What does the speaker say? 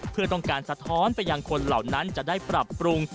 เพื่อต้องการสะท้อนไปยังคนเหล่านั้นจะได้ปรับปรุง